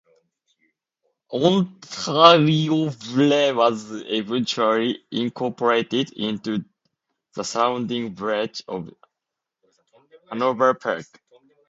Ontarioville was eventually incorporated into the surrounding village of Hanover Park.